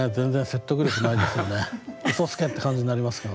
うそつけって感じになりますけどね。